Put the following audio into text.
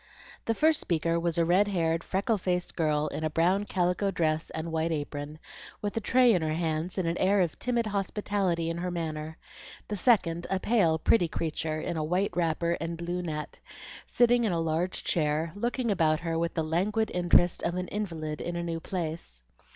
The first speaker was a red haired, freckle faced girl, in a brown calico dress and white apron, with a tray in her hands and an air of timid hospitality in her manner; the second a pale, pretty creature, in a white wrapper and blue net, sitting in a large chair, looking about her with the languid interest of an invalid in a new place.